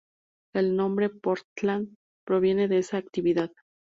El nombre Portland proviene de esa actividad.